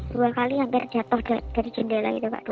dua kali hampir jatuh dari jendela gitu pak